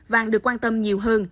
vàng được quan tâm nhiều hơn